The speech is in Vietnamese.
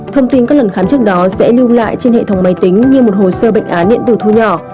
thông tin các lần khám trước đó sẽ lưu lại trên hệ thống máy tính như một hồ sơ bệnh án điện tử thu nhỏ